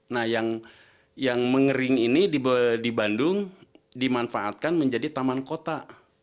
nah yang mengering ini di bandung dimanfaatkan menjadi taman kota